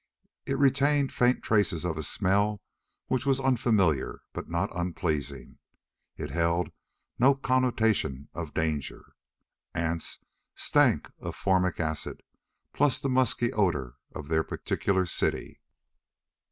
It retained faint traces of a smell which was unfamiliar but not unpleasing, it held no connotation of danger. Ants stank of formic acid plus the musky odor of their particular city.